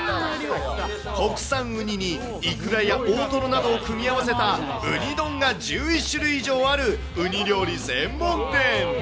国産ウニにイクラや大トロなどを組み合わせたウニ丼が１１種類以上あるウニ料理専門店。